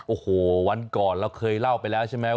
โอ้โหวันก่อนเราเคยเล่าไปแล้วใช่ไหม